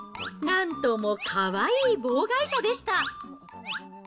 なんともかわいい妨害者でした。